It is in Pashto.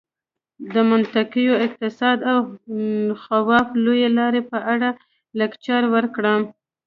د منطقوي اقتصاد او خواف لویې لارې په اړه لکچر ورکړم.